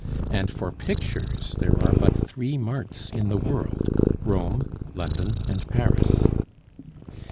And for pictures there are but three marts in the world Rome, London, and Paris.